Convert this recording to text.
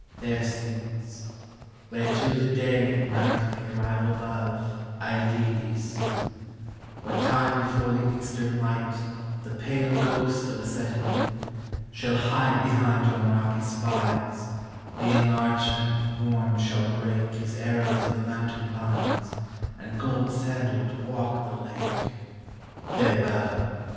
Fair scenes! whereto the Day and NightMake rival love, I leave ye soon, What time before the eastern lightThe pale ghost of the setting moonShall hide behind yon rocky spines, And the young archer, Morn, shall breakHis arrows on the mountain pines, And, golden sandalled, walk the lake! Farewell!